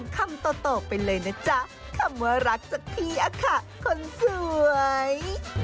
คำว่ารักสักทีอะค่ะคนสวย